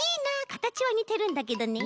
かたちはにてるんだけどね。